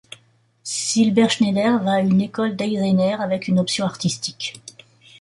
Silberschneider va à une école d'Eisenerz avec une option artistique.